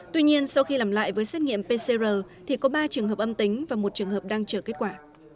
tuy nhiên sau khi làm lại với xét nghiệm pcr thì có ba trường hợp âm tính và một trường hợp đang chờ kết quả